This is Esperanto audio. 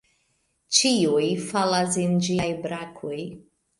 Ĉiuj falas en ĝiaj brakoj.